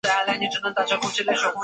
克隆泰尔湖是瑞士最老的水库。